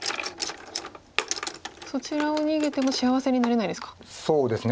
そちらを逃げても幸せになれないですか。